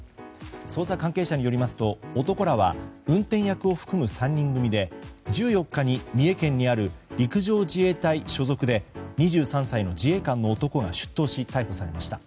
捜査関係者によりますと男らは運転役を含む３人組で１４日に三重県にある陸上自衛隊所属で２３歳の自衛官の男が出頭し逮捕されました。